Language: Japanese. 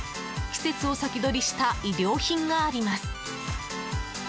季節を先取りした衣料品があります。